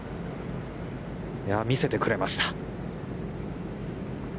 見せてくれました。